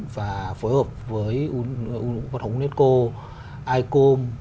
và phối hợp với văn hóa unesco icom